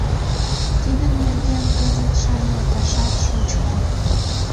Тидын нерген кызыт шарналташат шучко.